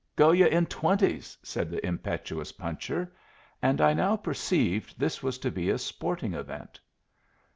"Go yu' in twenties," said the impetuous puncher; and I now perceived this was to be a sporting event.